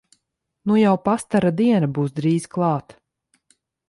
Nu jau pastara diena būs drīz klāt!